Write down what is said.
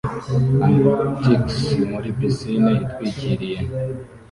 Antics muri pisine itwikiriye